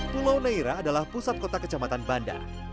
pulau naira adalah pusat kota kecamatan banda